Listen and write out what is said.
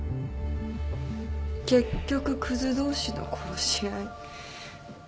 結局くず同士の殺し合い。